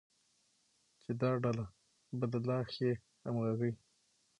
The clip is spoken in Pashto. چې دا ډله به د لا ښې همغږۍ،